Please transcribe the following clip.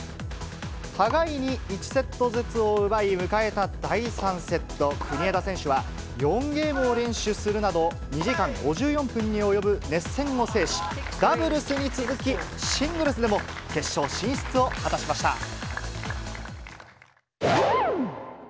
互いに１セットずつを奪い、迎えた第３セット、国枝選手は４ゲームを連取するなど、２時間５４分に及ぶ熱戦を制し、ダブルスに続き、シングルスでも決勝進出を果たしました。